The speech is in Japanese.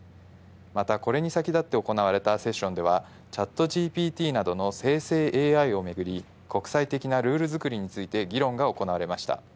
また、これに先立って行われたセッションでは、チャットＧＰＴなどの生成ＡＩを巡り、国際的なルール作りについて議論が行われました。